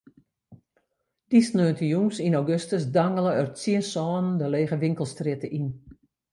Dy sneontejûns yn augustus dangele er tsjin sânen de lege winkelstrjitte yn.